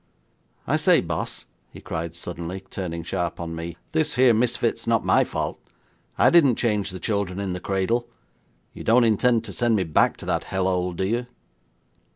I say, Boss,' he cried suddenly, turning sharp on me, 'this here misfit's not my fault. I didn't change the children in the cradle. You don't intend to send me back to that hell hole, do you?'